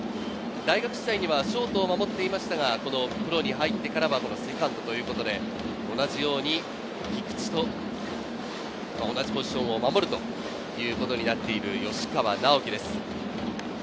大学時代にはショートを守っていましたが、プロに入ってからはセカンドということで、同じように菊池と同じポジションを守るということになっている吉川尚輝です。